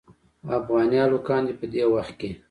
افغاني هلکان دې په دې وخت کې.